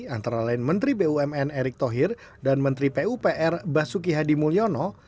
antara lain menteri bumn erick thohir dan menteri pupr basuki hadi mulyono